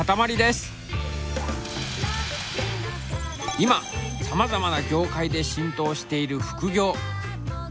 今さまざまな業界で浸透している副業。